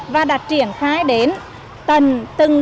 và đã triển khai đến từng cạnh